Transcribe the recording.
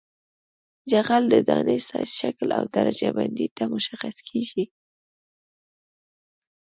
جغل د دانې سایز شکل او درجه بندۍ ته مشخص کیږي